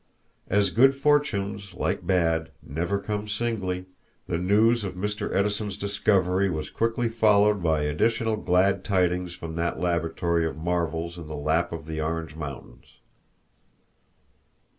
As good fortunes, like bad, never come singly, the news of Mr. Edison's discovery was quickly followed by additional glad tidings from that laboratory of marvels in the lap of the Orange mountains.